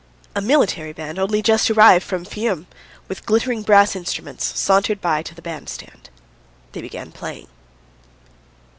A military band, only just arrived from Fiume, with glittering brass instruments, sauntered by to the bandstand they began playing.